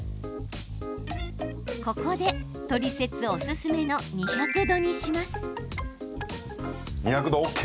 ここで、トリセツおすすめの２００度にします。